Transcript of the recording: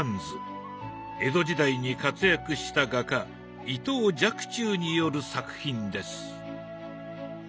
江戸時代に活躍した画家伊藤若冲による作品です。